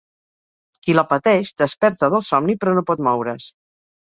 Qui la pateix, desperta del somni però no pot moure's.